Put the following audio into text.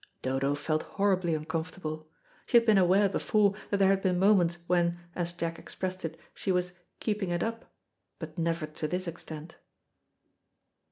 Dodo felt horribly uncomfortable. She had been aware before that there had been moments when, as Jack expressed it, she was "keeping it up," but never to this extent.